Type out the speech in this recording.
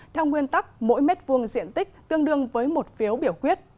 theo nguyên tắc mỗi mét vuông diện tích tương đương với một phiếu biểu quyết